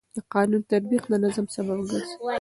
د قانون تطبیق د نظم سبب ګرځي.